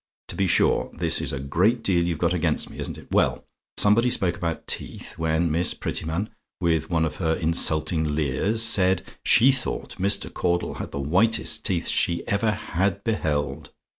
To be sure, this is a great deal you've got against me, isn't it? Well, somebody spoke about teeth, when Miss Prettyman, with one of her insulting leers, said 'she thought Mr. Caudle had the whitest teeth she ever HAD beheld.'